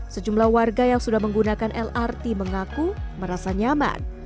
sejumlah warga yang sudah menggunakan lrt mengaku merasa nyaman